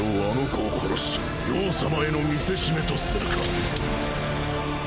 あの子を殺し葉様への見せしめとするか